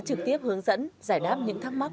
trực tiếp hướng dẫn giải đáp những thắc mắc